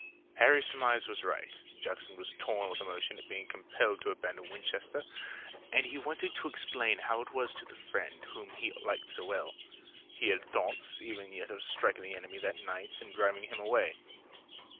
Harry's surmise was right. Jackson was torn with emotion at being compelled to abandon Winchester, and he wanted to explain how it was to the friend whom he liked so well. He had thoughts even yet of striking the enemy that night and driving him away.